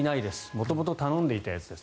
元々頼んでいたやつです